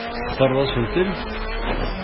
Textareḍ asentel?